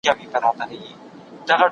که ته په مانا پوه سې نو سواد دې کامل دی.